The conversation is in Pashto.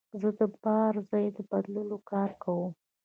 زه د بار ځای بدلولو کار کوم.